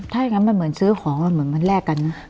ถ้าอย่างงั้นมันเหมือนซื้อของมันแรกกันนะ